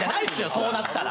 そうなったら。